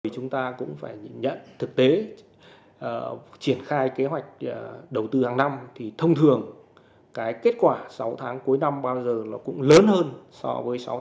chúng ta cũng phải nhận thực tế triển khai kế hoạch đầu tư hàng năm thì thông thường kết quả sáu tháng cuối năm bao giờ cũng lớn hơn so với sáu tháng đầu năm